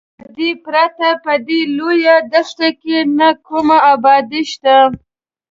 له دې پرته په دې لویه دښته کې نه کومه ابادي شته.